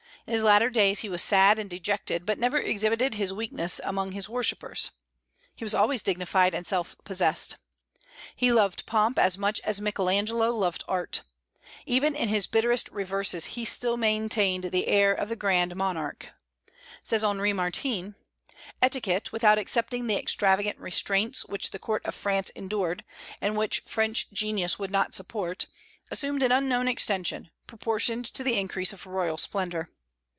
In his latter days he was sad and dejected, but never exhibited his weakness among his worshippers. He was always dignified and self possessed. He loved pomp as much as Michael Angelo loved art. Even in his bitterest reverses he still maintained the air of the "Grand Monarque." Says Henri Martin: "Etiquette, without accepting the extravagant restraints which the court of France endured, and which French genius would not support, assumed an unknown extension, proportioned to the increase of royal splendor.